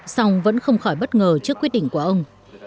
song vẫn không khỏi bất ngờ trước quyết định của ông